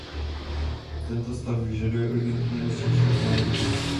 Tento stav vyžaduje urgentní nemocniční léčbu.